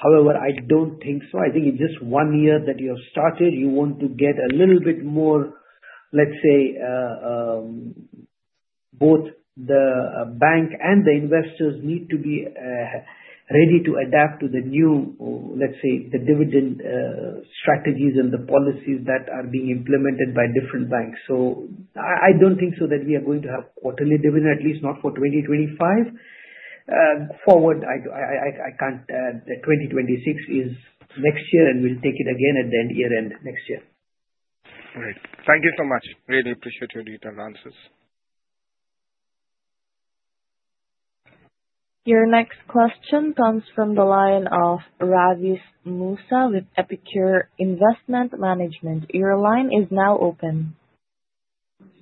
However, I don't think so. I think it's just one year that you have started. You want to get a little bit more, let's say, both the bank and the investors need to be ready to adapt to the new, let's say, the dividend strategies and the policies that are being implemented by different banks. So I don't think so that we are going to have quarterly dividend, at least not for 2025. Forward, I can't add that 2026 is next year, and we'll take it again at the end year end next year. Great. Thank you so much. Really appreciate your detailed answers. Your next question comes from the line of Ravi Moosun with Epicure Investment Management. Your line is now open.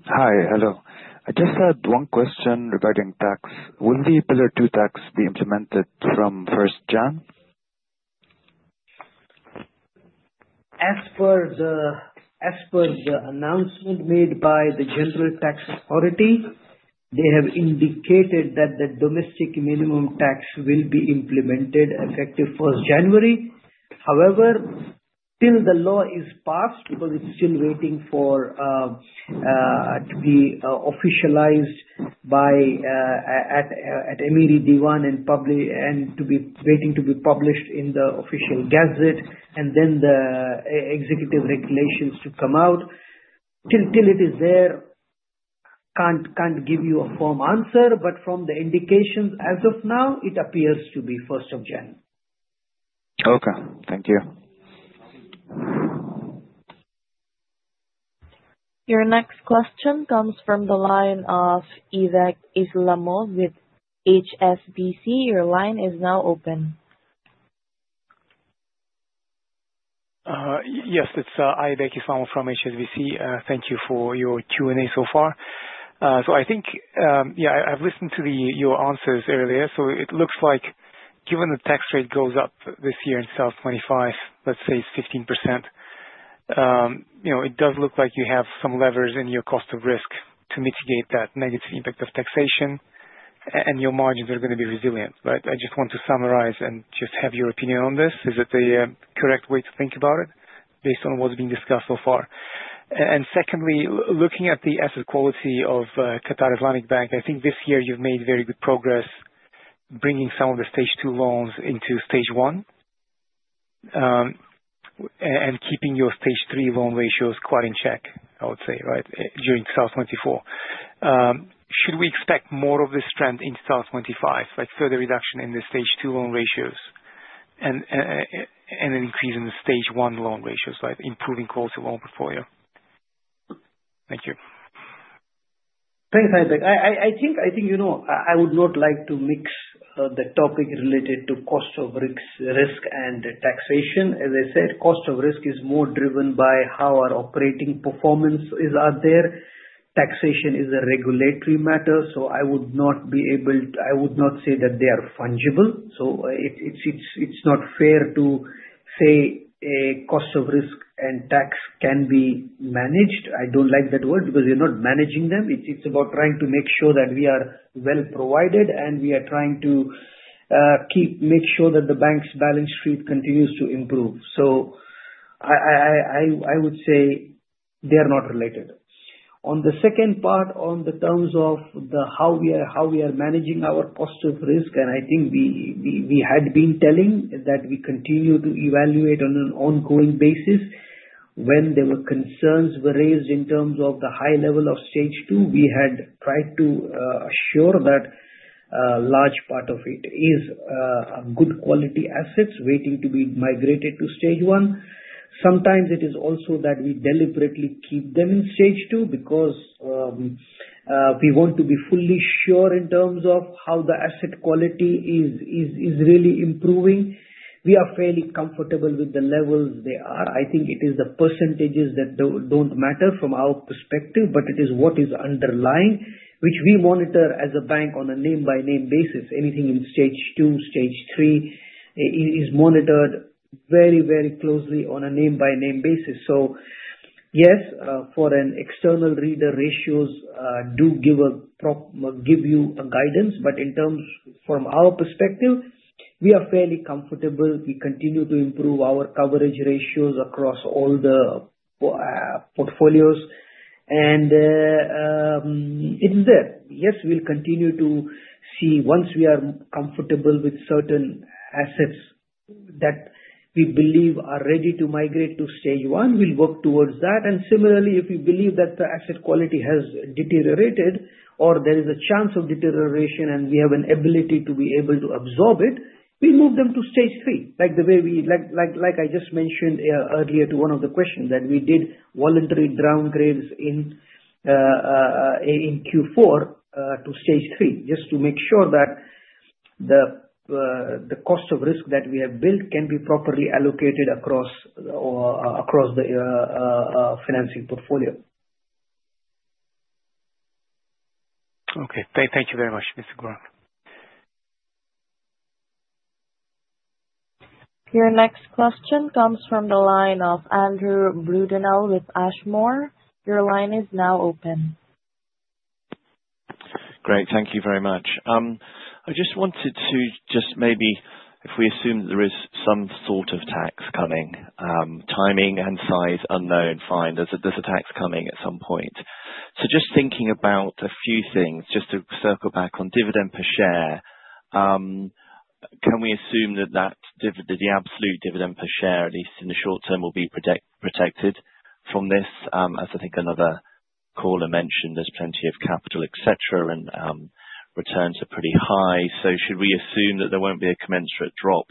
Hi. Hello. I just had one question regarding tax. Will the Pillar 2 tax be implemented from 1st January? As per the announcement made by the General Tax Authority, they have indicated that the domestic minimum tax will be implemented effective 1st January. However, till the law is passed, because it's still waiting to be officialized at Amiri Diwan and waiting to be published in the official gazette and then the executive regulations to come out, till it is there, can't give you a firm answer. But from the indications, as of now, it appears to be 1st of January. Okay. Thank you. Your next question comes from the line of Aybek Islamov with HSBC. Your line is now open. Yes. It's Aybek Islamov from HSBC. Thank you for your Q&A so far. So I think, yeah, I've listened to your answers earlier. So it looks like, given the tax rate goes up this year instead of 25%, let's say it's 15%, it does look like you have some levers in your cost of risk to mitigate that negative impact of taxation, and your margins are going to be resilient, right? I just want to summarize and just have your opinion on this. Is it the correct way to think about it based on what's been discussed so far? And secondly, looking at the asset quality of Qatar Islamic Bank, I think this year you've made very good progress bringing some of the Stage 2 loans into Stage 1 and keeping your Stage 3 loan ratios quite in check, I would say, right, during 2024. Should we expect more of this trend in 2025, like further reduction in the Stage 2 loan ratios and an increase in the Stage 1 loan ratios, right, improving quality of loan portfolio? Thank you. Thanks, Aybek. I think I would not like to mix the topic related to cost of risk and taxation. As I said, cost of risk is more driven by how our operating performance is out there. Taxation is a regulatory matter. So I would not say that they are fungible. So it's not fair to say cost of risk and tax can be managed. I don't like that word because you're not managing them. It's about trying to make sure that we are well provided, and we are trying to make sure that the bank's balance sheet continues to improve. So I would say they are not related. On the second part, on the terms of how we are managing our cost of risk, and I think we had been telling that we continue to evaluate on an ongoing basis. When there were concerns raised in terms of the high level of Stage 2, we had tried to assure that a large part of it is good quality assets waiting to be migrated to Stage 1. Sometimes it is also that we deliberately keep them in Stage 2 because we want to be fully sure in terms of how the asset quality is really improving. We are fairly comfortable with the levels they are. I think it is the percentages that don't matter from our perspective, but it is what is underlying, which we monitor as a bank on a name-by-name basis. Anything in Stage 2, Stage 3 is monitored very, very closely on a name-by-name basis, so yes, for an external reader, ratios do give you guidance, but in terms of our perspective, we are fairly comfortable. We continue to improve our coverage ratios across all the portfolios. It's there. Yes, we'll continue to see once we are comfortable with certain assets that we believe are ready to migrate to Stage 1, we'll work towards that. And similarly, if we believe that the asset quality has deteriorated or there is a chance of deterioration and we have an ability to be able to absorb it, we move them to stage three, like I just mentioned earlier to one of the questions that we did voluntary downgrades in Q4 to stage three just to make sure that the cost of risk that we have built can be properly allocated across the financing portfolio. Okay. Thank you very much, Mr. Gaurang. Your next question comes from the line of Andrew Brudenell with Ashmore. Your line is now open. Great. Thank you very much. I just wanted to just maybe, if we assume that there is some sort of tax coming, timing and size unknown, fine, there's a tax coming at some point. So just thinking about a few things, just to circle back on dividend per share, can we assume that the absolute dividend per share, at least in the short term, will be protected from this? As I think another caller mentioned, there's plenty of capital, etc., and returns are pretty high. So should we assume that there won't be a commensurate drop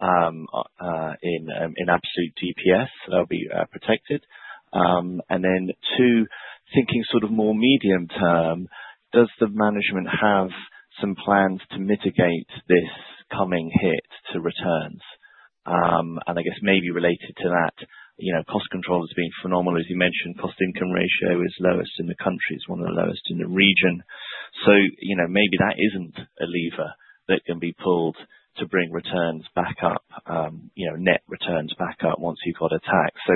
in absolute DPS, they'll be protected? And then two, thinking sort of more medium term, does the management have some plans to mitigate this coming hit to returns? And I guess maybe related to that, cost control has been phenomenal. As you mentioned, cost-to-income ratio is lowest in the country, is one of the lowest in the region. So maybe that isn't a lever that can be pulled to bring returns back up, net returns back up once you've got a tax. So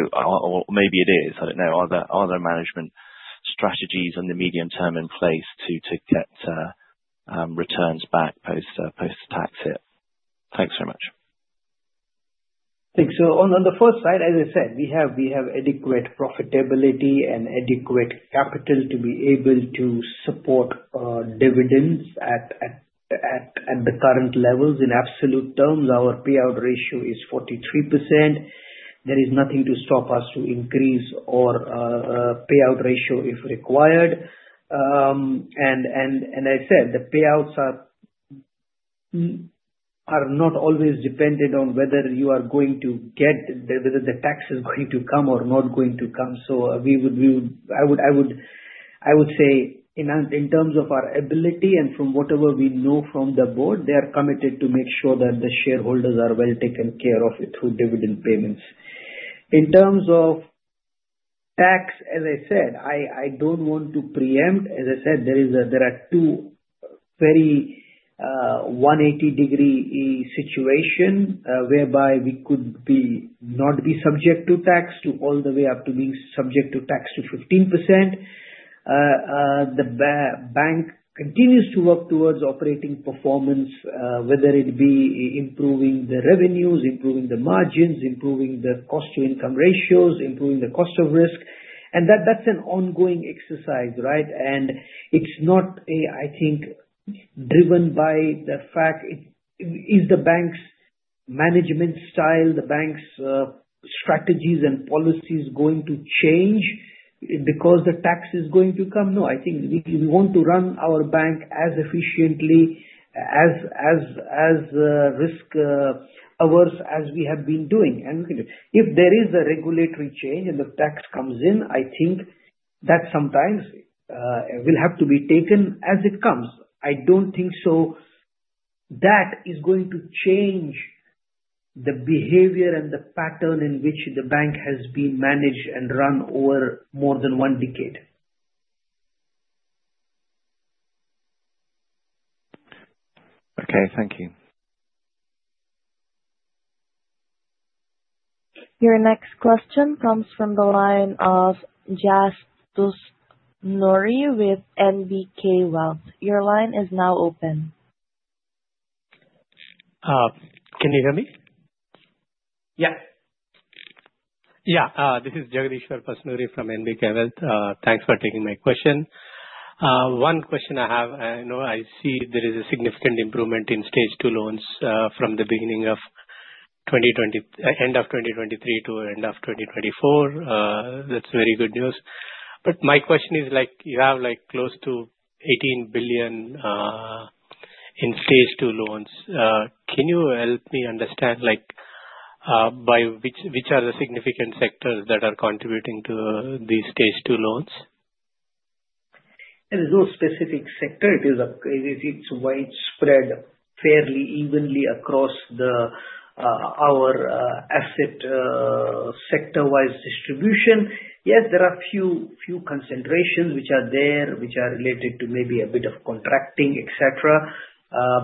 maybe it is. I don't know. Are there management strategies in the medium term in place to get returns back post-tax hit? Thanks very much. Thanks. So on the first side, as I said, we have adequate profitability and adequate capital to be able to support dividends at the current levels. In absolute terms, our payout ratio is 43%. There is nothing to stop us to increase our payout ratio if required. And as I said, the payouts are not always dependent on whether you are going to get, whether the tax is going to come or not going to come. So I would say in terms of our ability and from whatever we know from the board, they are committed to make sure that the shareholders are well taken care of through dividend payments. In terms of tax, as I said, I don't want to preempt. As I said, there are two very 180-degree situations whereby we could not be subject to tax all the way up to being subject to tax to 15%. The bank continues to work towards operating performance, whether it be improving the revenues, improving the margins, improving the cost-to-income ratios, improving the cost of risk. And that's an ongoing exercise, right? And it's not, I think, driven by the fact is the bank's management style, the bank's strategies and policies going to change because the tax is going to come? No, I think we want to run our bank as efficiently, as risk-averse as we have been doing. And if there is a regulatory change and the tax comes in, I think that sometimes will have to be taken as it comes. I don't think so that is going to change the behavior and the pattern in which the bank has been managed and run over more than one decade. Okay. Thank you. Your next question comes from the line of Jas Pasnuri with NBK Wealth. Your line is now open. Can you hear me? Yeah. Yeah. This is Jagadeeshwar Pasnuri from NBK Wealth. Thanks for taking my question. One question I have, I know I see there is a significant improvement in Stage 2 loans from the beginning of end of 2023 to end of 2024. That's very good news. But my question is, you have close to 18 billion in Stage 2 loans. Can you help me understand by which are the significant sectors that are contributing to these Stage 2 loans? There's no specific sector. It's widespread, fairly evenly across our asset sector-wise distribution. Yes, there are a few concentrations which are there, which are related to maybe a bit of contracting, etc.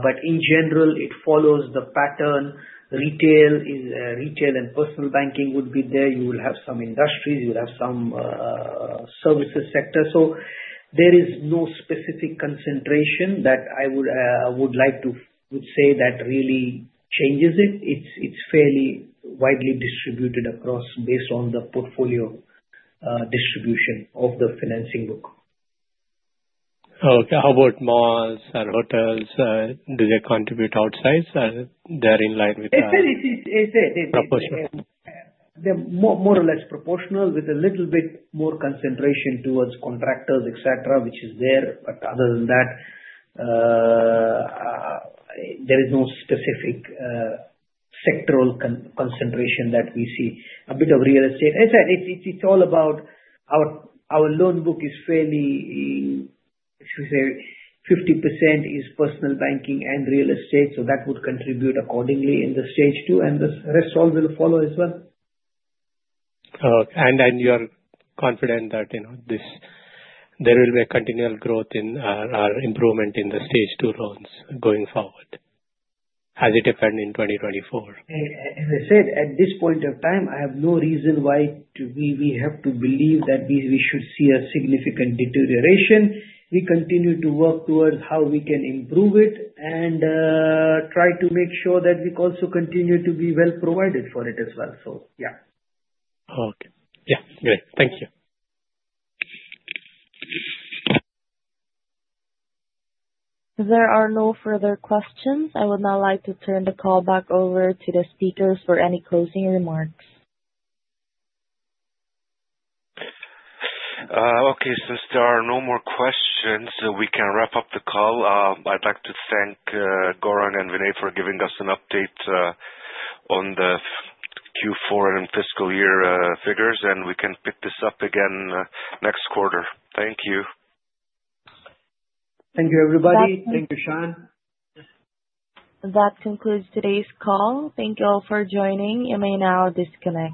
But in general, it follows the pattern. Retail and personal banking would be there. You will have some industries. You will have some services sector. So there is no specific concentration that I would like to say that really changes it. It's fairly widely distributed across based on the portfolio distribution of the financing book. Okay. How about malls and hotels? Do they contribute outside? They're in line with the proportion? They're more or less proportional with a little bit more concentration towards contractors, etc., which is there. But other than that, there is no specific sectoral concentration that we see. A bit of real estate. As I said, it's all about our loan book is fairly, shall we say, 50% is personal banking and real estate. So that would contribute accordingly in the Stage 2, and the rest all will follow as well. Okay. And you're confident that there will be a continual growth in our improvement in the Stage 2 loans going forward as it happened in 2024? As I said, at this point of time, I have no reason why we have to believe that we should see a significant deterioration. We continue to work towards how we can improve it and try to make sure that we also continue to be well provided for it as well. So yeah. Okay. Yeah. Great. Thank you. There are no further questions. I would now like to turn the call back over to the speakers for any closing remarks. Okay. Since there are no more questions, we can wrap up the call. I'd like to thank Gaurang and Vinay for giving us an update on the Q4 and fiscal year figures, and we can pick this up again next quarter. Thank you. Thank you, everybody. Thank you. Thank you, Shahan. That concludes today's call. Thank you all for joining. You may now disconnect.